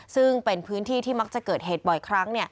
ซึ่งเป็นพื้นที่ที่มักจะเกิดเหตุบ่อยครั้ง